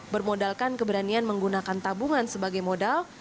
bermodalkan keberanian menggunakan tabungan sebagai modal